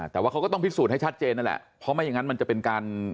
แต่ว่าเขาก็ต้องพิสูจน์ให้ชัดเจนนั่นแหละเพราะไม่อย่างนั้นมันจะเป็นการ